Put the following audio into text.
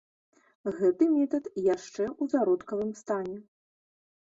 Гэты метад яшчэ ў зародкавым стане.